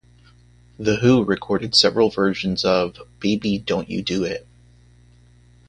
The Who recorded several versions of "Baby Don't You Do It".